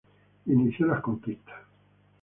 Inició las conquistas.